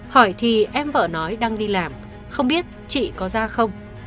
hỏi thì em vở nói đang đi làm không biết chị có ra không